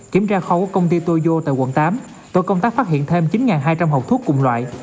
kiểm tra khoa học công ty toyo tại quận tám tội công tác phát hiện thêm chín hai trăm linh hộp thuốc cùng loại